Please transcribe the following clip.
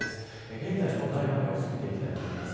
現在のお台場の様子を見ていきます。